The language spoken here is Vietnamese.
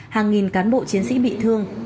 hàng nghìn cán bộ chiến sĩ bị thương